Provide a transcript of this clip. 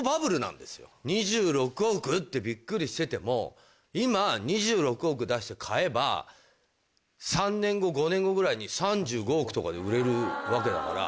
２６億ってびっくりしてても今２６億出して買えば３年後５年後ぐらいに３５億とかで売れるわけだから。